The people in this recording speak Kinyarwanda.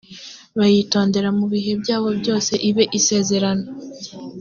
bayitondera mu bihe byabo byose ibe isezerano